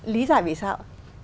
lý giảm vì sao